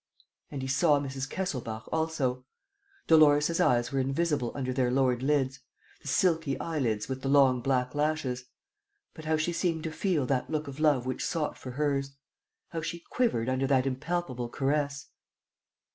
And he saw Mrs. Kesselbach also. Dolores' eyes were invisible under their lowered lids, the silky eyelids with the long black lashes. But how she seemed to feel that look of love which sought for hers! How she quivered under that impalpable caress!